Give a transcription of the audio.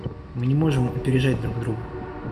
Мы не можем опережать друг друга.